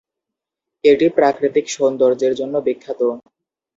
এটি প্রাকৃতিক সৌন্দর্যের জন্য বিখ্যাত।